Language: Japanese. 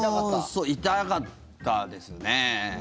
そう、痛かったですね。